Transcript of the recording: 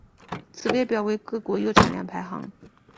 此列表为各国铀产量排行。